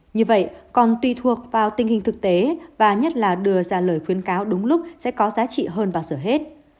như vậy còn tùy thuộc vào tình hình thực tế và nhất là đưa ra lời khuyên cáo đúng lúc sẽ có giá trị hơn bao giờ hết